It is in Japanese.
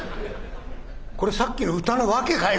これさっきの歌の訳かい？